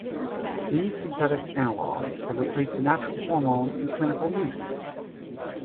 These synthetic analogs have replaced the natural hormone in clinical use.